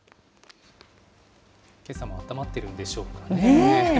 けさもあったまってるんでしょうかね。